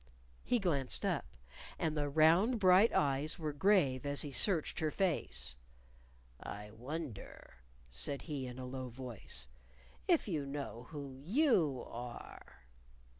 He glanced up. And the round, bright eyes were grave as he searched her face. "I wonder," he said in a low voice, "if you know who you are."